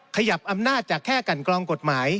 ขยับอำนาจจากแค่กันกรองกฎหมาย